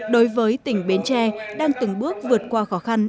đối với tỉnh bến tre đang từng bước vượt qua khó khăn